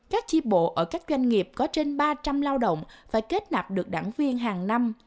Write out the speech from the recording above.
các chi bộ ở các doanh nghiệp có trên ba trăm linh lao động phải kết nạp được đảng viên hàng năm